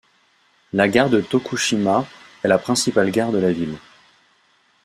La gare de Tokushima est la principale gare de la ville.